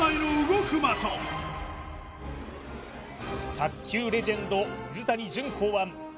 卓球レジェンド水谷隼考案